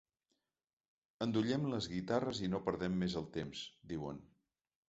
Endollem les guitarres i no perdem més el temps, diuen.